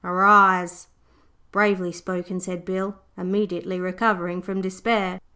Arise!' 'Bravely spoken,' said Bill, immediately recovering from despair.